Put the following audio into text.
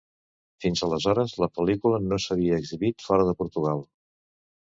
Fins aleshores la pel·lícula no s'havia exhibit fora de Portugal.